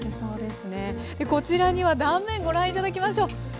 こちらには断面ご覧頂きましょう。